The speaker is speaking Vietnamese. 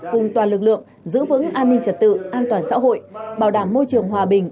cùng toàn lực lượng giữ vững an ninh trật tự an toàn xã hội bảo đảm môi trường hòa bình